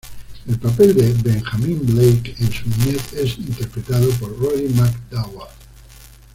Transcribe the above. El papel de Benjamín Blake en su niñez, es interpretado por Roddy McDowall.